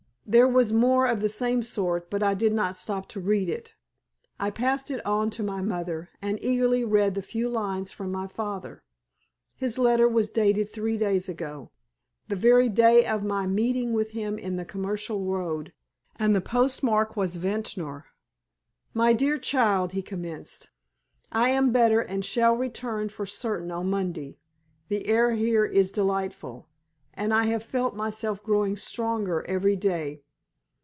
There was more of the same sort, but I did not stop to read it. I passed it on to my mother, and eagerly read the few lines from my father. His letter was dated three days ago the very day of my meeting with him in the Commercial Road, and the postmark was Ventnor. "My dear child," he commenced, "I am better and shall return for certain on Monday. The air here is delightful, and I have felt myself growing stronger every day.